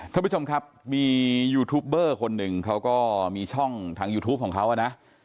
ท่านผู้ชมครับมียูทูปเบอร์คนหนึ่งเขาก็มีช่องทางยูทูปของเขานะ